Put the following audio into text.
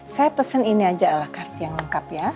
saya pesen ini aja ala karti yang lengkap ya